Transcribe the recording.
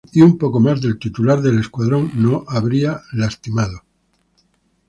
Y un poco más del titular del Escuadrón no habría lastimado.